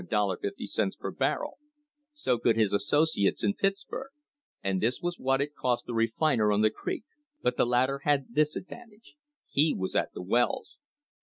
50 per barrel; so could his associates in Pittsburg; and this was what it cost the refiner on the creek; but the latter had this advantage: he was at the wells.